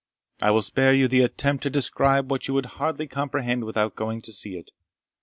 I will spare you the attempt to describe what you would hardly comprehend without going to see it.